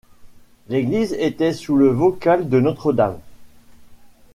L'église était sous le vocable de Notre-Dame.